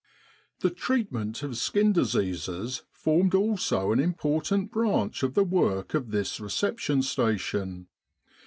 The treatment of skin diseases formed also an important branch of the work of this Reception Station.